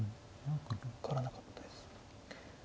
分からなかったです。